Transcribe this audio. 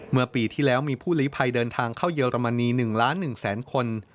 เมื่อปีที่แล้วมีผู้หลีภัยเดินทางเข้าเยอรมนี๑ล้าน๑แสนคน